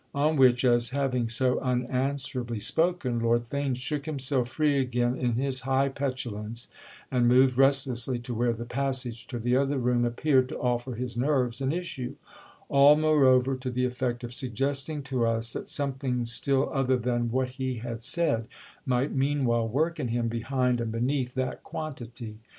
On which, as having so unanswerably spoken, Lord Theign shook himself free again, in his high petulance, and moved restlessly to where the passage to the other room appeared to offer his nerves an issue; all moreover to the effect of suggesting to us that something still other than what he had said might meanwhile work in him behind and beneath that quantity.